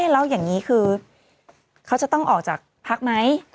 แล้วอย่างนี้คือเขาจะต้องออกจากพักไหม